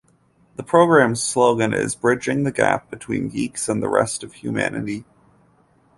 The program's slogan is "Bridging the gap between geeks and the rest of humanity".